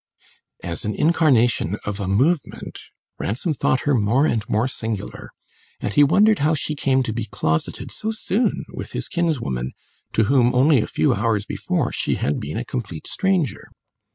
As an incarnation of a "movement," Ransom thought her more and more singular, and he wondered how she came to be closeted so soon with his kinswoman, to whom, only a few hours before, she had been a complete stranger.